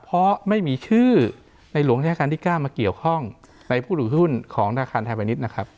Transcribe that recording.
เพราะไม่มีชื่อในหลวงราชการที่๙มาเกี่ยวข้องในผู้ถือหุ้นของธนาคารไทยพาณิชย์นะครับ